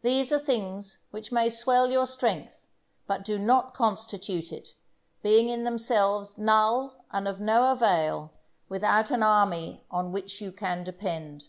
These are things which may swell your strength but do not constitute it, being in themselves null and of no avail without an army on which you can depend.